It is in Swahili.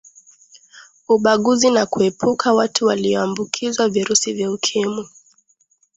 ubaguzi na kuepuka watu waliyoambukizwa virusi vya ukimwi